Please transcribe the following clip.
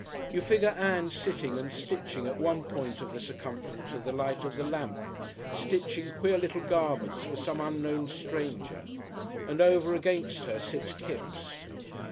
You figure Ann sitting and stitching at one point of the circumference of the light of the lamp, stitching queer little garments for some unknown stranger, and over against her sits Kipps.